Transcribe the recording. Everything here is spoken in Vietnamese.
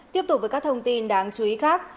tiếp tục với các thông tin đáng chú ý khác